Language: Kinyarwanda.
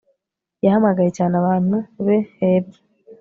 yahamagaye cyane abantu be hepfo